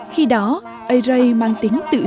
khi đó ây rây mang tính tự nhiên